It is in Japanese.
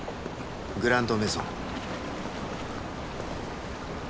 「グランドメゾン」